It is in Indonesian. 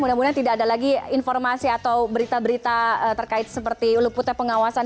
mudah mudahan tidak ada lagi informasi atau berita berita terkait seperti luputnya pengawasan